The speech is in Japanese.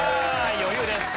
余裕です。